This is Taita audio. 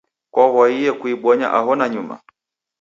Kwaw'aie kuibonya aho nanyuma?